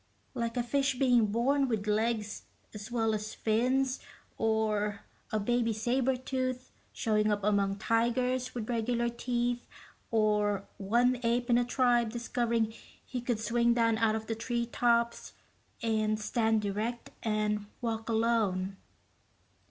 like a fish being born with legs as well as fins, or a baby saber tooth showing up among tigers with regular teeth, or one ape in a tribe discovering he could swing down out of the treetops and stand erect and walk alone."